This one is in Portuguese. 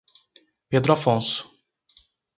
Pedro Afonso